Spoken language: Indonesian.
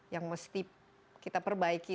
yang mesti kita perbaiki